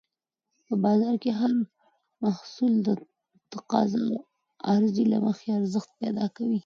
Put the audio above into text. په بازار کې هر محصول د تقاضا او عرضې له مخې ارزښت پیدا کوي.